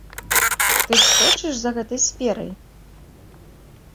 Ты ж сочыш за гэтай сферай?